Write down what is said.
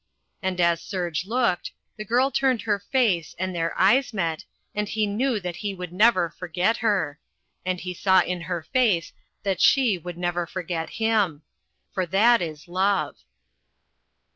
And as Serge looked, the girl turned her face and their eyes met, and he knew that he would never forget her. And he saw in her face that she would never forget him. For that is love.